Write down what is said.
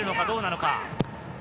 どうなのか。